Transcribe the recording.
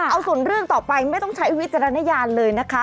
เอาส่วนเรื่องต่อไปไม่ต้องใช้วิจารณญาณเลยนะคะ